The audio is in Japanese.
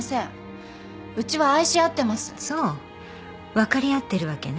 分かり合ってるわけね。